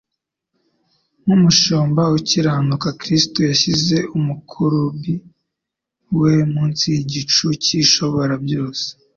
nk'Umushumba ukiranuka, Kristo yashyize umukurubi we munsi y'igicucu cy'Ishobora byose,